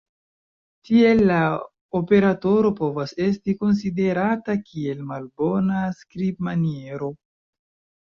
Tiel, la operatoro povas esti konsiderata kiel malbona skribmaniero.